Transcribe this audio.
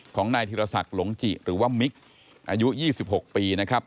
ของนายธิรศักดิ์หลงจิหรือว่ามิกอายุ๒๖ปีนะครับ